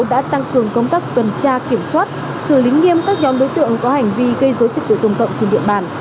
đã tăng cường công tác tuần tra kiểm soát xử lý nghiêm các nhóm đối tượng có hành vi gây dối trích tự tùng tộng trên địa bàn